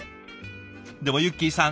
でもゆっきーさん